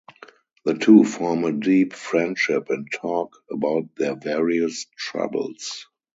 The two form a deep friendship and talk about their various troubles.